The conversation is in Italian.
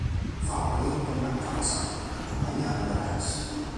Fabbri torna a casa, accompagnato da Rex.